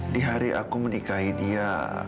di hari aku menikahi dia